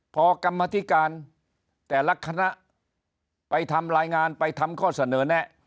พอกรรมธิการแต่ละคณะไปทำรายงานไปทำข้อเสนอแนะ